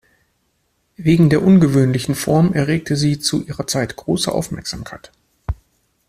Wegen der ungewöhnlichen Form erregte sie zu ihrer Zeit große Aufmerksamkeit.